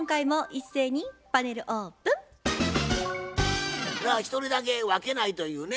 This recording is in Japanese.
一人だけ分けないというね